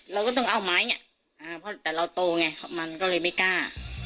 เราก็ต้องเอาไม้เพราะแต่เราโตไงมันก็เลยไม่กล้า